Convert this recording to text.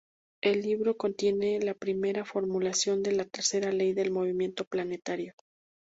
El libro contiene la primera formulación de la tercera ley del movimiento planetario.